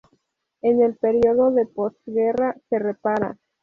En el periodo de postguerra se repara.